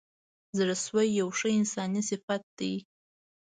زړه سوی یو ښه انساني صفت دی.